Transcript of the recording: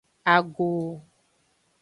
Ago.